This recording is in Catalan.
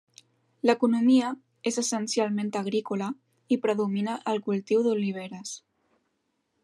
L'economia és essencialment agrícola i predomina el cultiu d'oliveres.